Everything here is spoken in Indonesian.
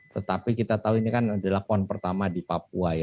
tetapi kita tahu ini kan adalah pon pertama di papua ya